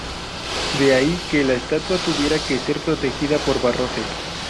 De ahí que la estatua tuviera que ser protegida por barrotes.